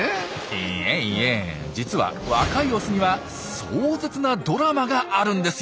いえいえ実は若いオスには壮絶なドラマがあるんですよ。